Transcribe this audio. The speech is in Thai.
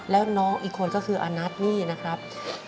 แล้วน้องอีกคนก็คืออานัทนี่นะครับ